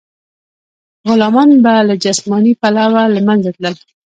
غلامان به له جسماني پلوه له منځه تلل.